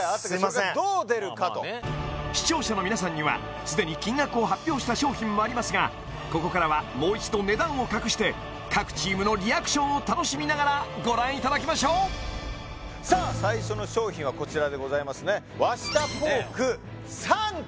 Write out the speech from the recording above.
それがどう出るかと視聴者の皆さんにはすでに金額を発表した商品もありますがここからはもう一度値段を隠して各チームのリアクションを楽しみながらご覧いただきましょうさあ最初の商品はこちらでございますねわしたポーク３個！